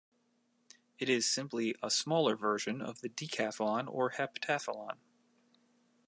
It is simply a smaller version of the decathlon or a heptathlon.